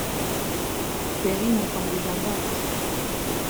Ferrine étant déjà morte.